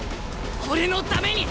俺のために！